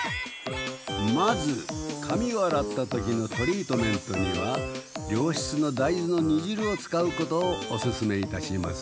まずかみをあらった時のトリートメントにはりょうしつのだいずのにじるを使うことをおすすめいたします。